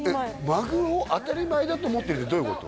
マグロを当たり前だと思ってるってどういうこと？